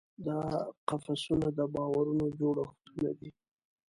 دا قفسونه د باورونو جوړښتونه دي.